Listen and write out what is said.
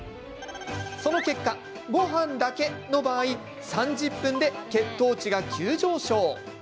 その結果、ごはんだけの場合３０分で血糖値が上昇。